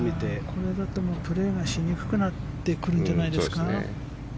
これだとプレーがしにくくなってくるんじゃないですか。